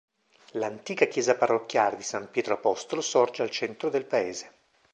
L'antica Chiesa Parrocchiale di San Pietro Apostolo sorge al centro del paese.